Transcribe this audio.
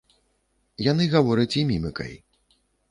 Яны гавораць і мімікай.